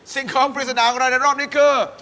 สิ่งของปริศนาของเราในรอบนี้คือ